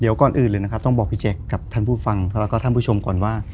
เดี๋ยวก่อนอื่นเลยนะครับต้องบอกพี่แจ๊คกับท่านผู้ฟังแล้วก็ท่านผู้ชมก่อนว่า